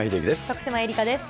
徳島えりかです。